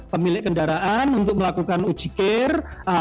pemilik kendaraan untuk melakukan ujikir